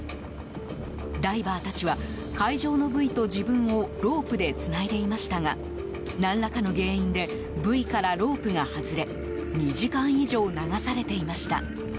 ダイバーたちは海上のブイと自分をロープでつないでいましたが何らかの原因でブイからロープが外れ２時間以上、流されていました。